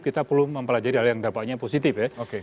kita perlu mempelajari hal yang dampaknya positif ya